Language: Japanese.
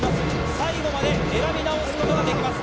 最後まで選び直すことができます。